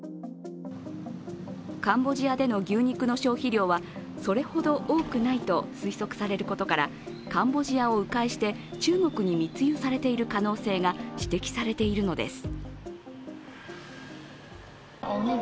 カンボジアでの牛肉の消費量はそれほど多くないと推測されることからカンボジアをう回して中国に密輸されている可能性が指摘されているのです。